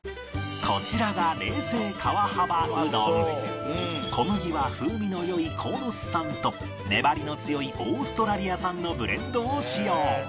こちらが小麦は風味の良い鴻巣産と粘りの強いオーストラリア産のブレンドを使用